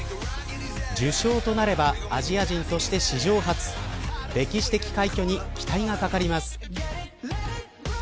受賞となればアジア人として史上初歴史的快挙に期待がかかります。